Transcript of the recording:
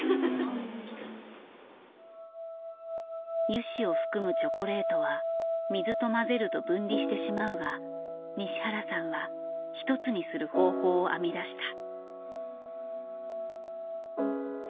油脂を含むチョコレートは水と混ぜると分離してしまうが西原さんは一つにする方法を編み出した。